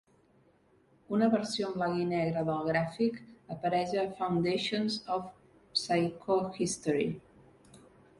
Una versió en blanc i negre del gràfic apareix a Foundations of Psychohistory.